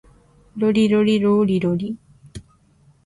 ロリロリローリロリ